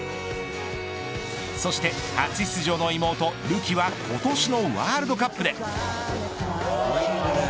そして初出場の妹るきは今年のワールドカップで。